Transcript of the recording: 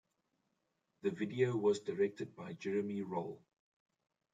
The video was directed by Jeremy Rall.